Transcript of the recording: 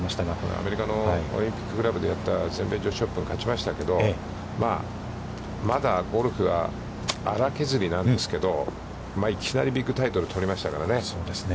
アメリカのオリンピックでやった全米女子オープン、勝ちましたけど、まだ、ゴルフが、粗削りなんですけれどもいきなりビッグタイトルを取りましたからね。